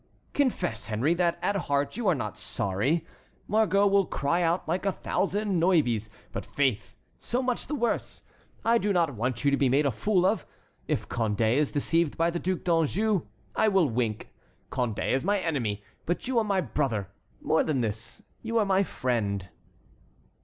"Confess, Henry, that at heart you are not sorry. Margot will cry out like a thousand Niobes; but, faith! so much the worse. I do not want you to be made a fool of. If Condé is deceived by the Duc d'Anjou, I will wink; Condé is my enemy. But you are my brother; more than this, you are my friend."